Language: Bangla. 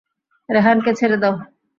রেহান কে ছেড়ে দাও।